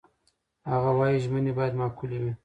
هغه وايي، ژمنې باید معقولې وي.